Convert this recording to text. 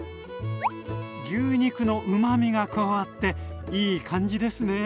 牛肉のうまみが加わっていい感じですね。